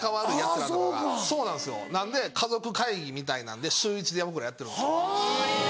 なので家族会議みたいなんで週１で僕らやってるんですよ。